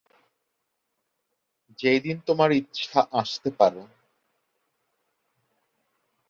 সে প্রায়শই তার তিন ঘনিষ্ঠ বন্ধুকে সাথে নিয়ে শিকারে বের হত।